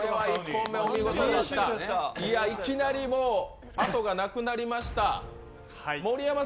いきなりもう後がなくなりました。